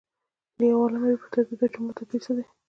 له یو عالمه یې وپوښتل د دوو جملو توپیر څه دی؟